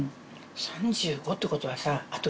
３５ってことはさ。